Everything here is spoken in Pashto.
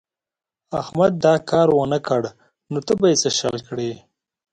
احمد دا کار و نه کړ نو ته به يې څه شل کړې.